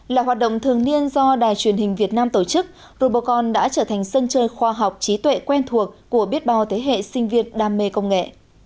là hoạt động thường niên do đài truyền hình việt nam tổ chức robocon đã trở thành sân chơi khoa học trí tuệ quen thuộc của biết bao thế hệ sinh viên đam mê công nghệ